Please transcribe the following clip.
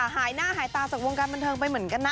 หายหน้าหายตาจากวงการบันเทิงไปเหมือนกันนะ